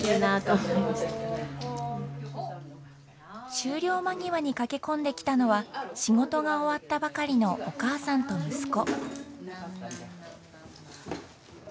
終了間際に駆け込んできたのは仕事が終わったばかりのお母さんと息子。